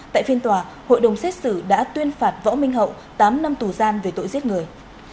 tại phiên tòa hội đồng xét xử đã tuyên phạt võ minh hậu tám năm tù giam về tội giết người